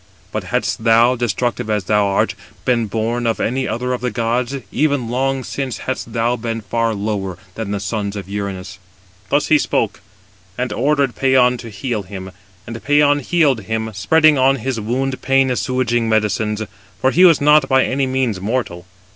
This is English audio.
But hadst thou, destructive as thou art, been born of any other of the gods, even long since hadst thou been far lower than the sons of Uranus." Thus he spoke, and ordered Pæon to heal him: and Pæon healed him, spreading [on his wound] pain assuaging medicines; for he was not by any means mortal.